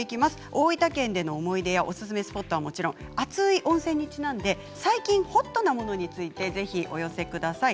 大分県での思い出やおすすめスポットはもちろん熱い温泉にちなんで最近ホットなものについてぜひお寄せください。